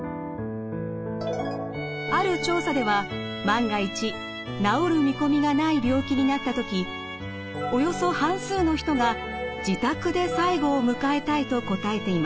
ある調査では万が一治る見込みがない病気になった時およそ半数の人が自宅で最期を迎えたいと答えています。